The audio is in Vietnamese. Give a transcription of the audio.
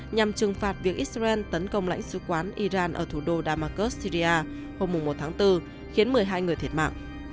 nhằm trừng phạt việc israel tấn công lãnh sứ quán iran ở thủ đô damascus syria hôm một tháng bốn khiến một mươi hai người thiệt mạng